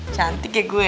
cantik ya gue